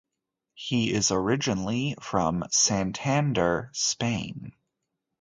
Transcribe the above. He is originally from Santander, Spain.